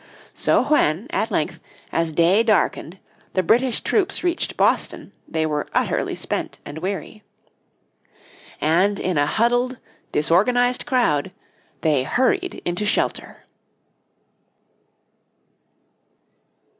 So when, at length, as day darkened the British troops reached Boston they were utterly spent and weary. And in a huddled, disorganised crowd, they hurried into shelter.